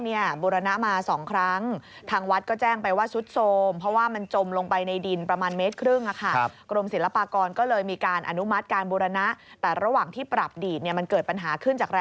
การบูรณะนั้นก็คือปี๕๕แล้วถือว่าเป็นครั้งที่๓แล้วนะครับ